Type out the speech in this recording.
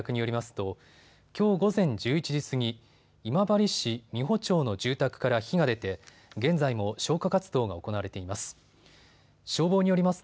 ときょう午前１１時過ぎ、今治市美保町の住宅から火が出て現在も消火活動が行われています。